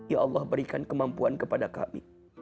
ya allah berikan kemampuan kepada kami